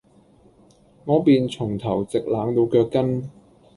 我便從頭直冷到腳跟，